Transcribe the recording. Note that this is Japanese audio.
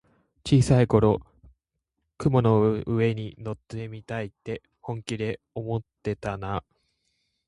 小さい頃、雲の上に乗ってみたいって本気で思ってたなあ。